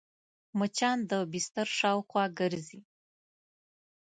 مچان د بستر شاوخوا ګرځي